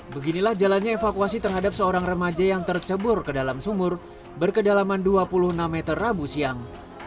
beginilah jalannya evakuasi terhadap seorang remaja yang tercebur ke dalam sumur berkedalaman dua puluh enam meter rabu siang